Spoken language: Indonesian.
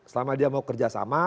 selama dia mau kerjasama